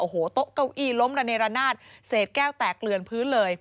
โอ้โหโต๊ะเก้าอี้ล้มระเนรนาศเศษแก้วแตกเกลือนพื้นเลย